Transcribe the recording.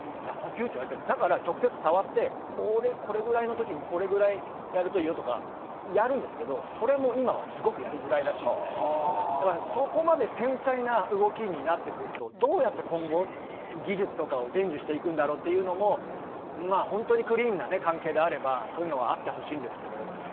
だから直接触ってこれぐらいのときにこれぐらいやるといいよとかやるんですけれどそれも今はすごくやりづらいらしいのでそこまで繊細な動きになってくるとどうやって今後、技術とかを伝授していくんだろうというのも本当にクリーンな関係であればそういうのはあってほしいんですけれど。